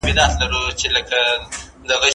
مدني ټولنې په سياسي ژوند کې خپل مثبت رول لوباوه.